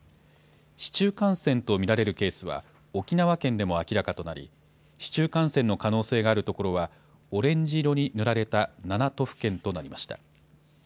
市中感染と見られるケースは沖縄県でも明らかとなり、市中感染の可能性がある所は、オレンジ色に塗られた７都府県となりました。